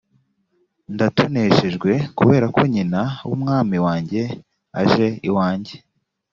ndatoneshejwe kubera ko nyina w umwami wanjye aje iwanjye